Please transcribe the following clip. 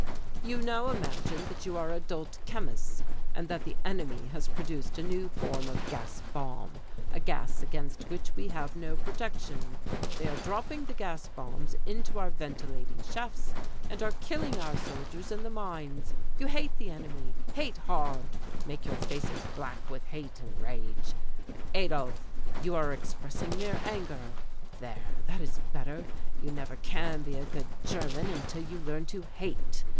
"You now imagine that you are adult chemists and that the enemy has produced a new form of gas bomb, a gas against which we have no protection. They are dropping the gas bombs into our ventilating shafts and are killing our soldiers in the mines. You hate the enemy hate hard make your faces black with hate and rage. Adolph, you are expressing mere anger. There, that is better. You never can be a good German until you learn to hate.